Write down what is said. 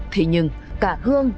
thế nhưng cả hương